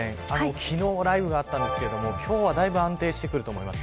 昨日雷雨があったんですけれども今日はだいぶ安定してくると思います。